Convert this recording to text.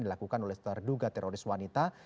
dilakukan oleh terduga teroris wanita